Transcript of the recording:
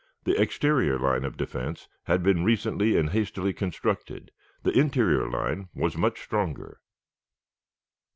The exterior line of defense had been recently and hastily constructed; the interior line was much stronger.